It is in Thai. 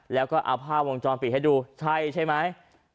แล้วก็เอาภาพวงจรปิดให้ดูใช่ใช่ไหม